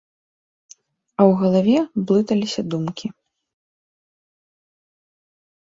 А ў галаве блыталіся думкі.